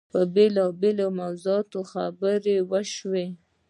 په بېلابېلو موضوعاتو خبرې وشوې.